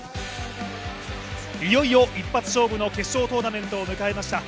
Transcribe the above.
いよいよ一発勝負の決勝トーナメントを迎えました。